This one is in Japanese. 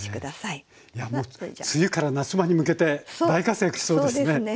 いやもう梅雨から夏場に向けて大活躍しそうですね。